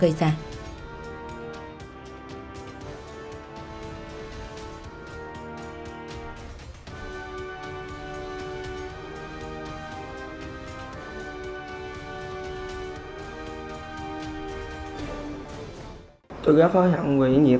tôi gặp hãng nguyễn hiệp tôi đó là tôi cho tôi gọi lời xin lỗi với mấy gia đình đang gặp